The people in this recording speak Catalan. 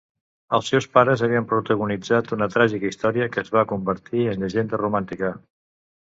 Els seus pares havien protagonitzat una tràgica història que es va convertir en llegenda romàntica.